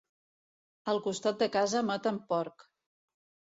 Al costat de casa maten porc.